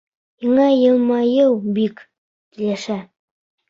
Һиңә йылмайыу бик... килешә.